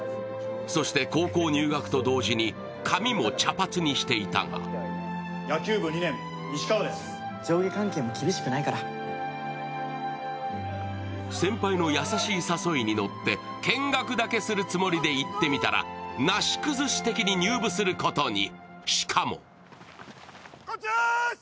そして、高校入学と同時に髪も茶髪にしていたが先輩の優しい誘いに乗って見学だけするつもりで行ってみたら、なし崩し的に入部することに。